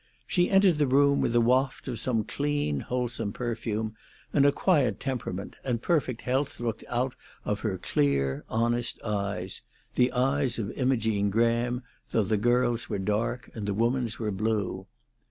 She entered the room with a waft of some clean, wholesome perfume, and a quiet temperament and perfect health looked out of her clear, honest eyes—the eyes of Imogene Graham, though the girl's were dark and the woman's were blue.